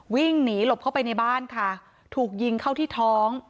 วิ่งหนีหลบเข้าไปในบ้านค่ะถูกยิงเข้าที่ท้อง